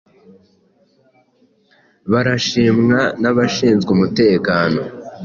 Barashimwa nabashinzwe umutekano